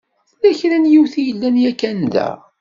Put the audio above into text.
Tella kra n yiwet i yellan yakan da.